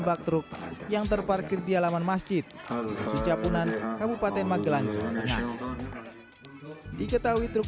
bak truk yang terparkir di alaman masjid suja punan kabupaten magelang jawa tengah diketahui truk